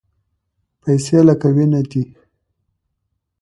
پیسې لکه وینه دي.